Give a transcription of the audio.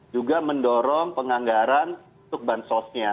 juga mendorong penganggaran untuk bansosnya